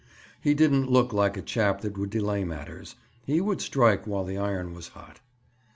He didn't look like a chap that would delay matters. He would strike while the iron was hot.